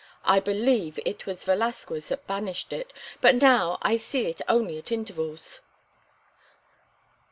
I believe it was Velasquez that banished it, but now I see it only at intervals."